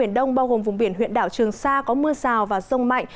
biển đông bao gồm vùng biển huyện đảo trường sa có mưa rào và rông mạnh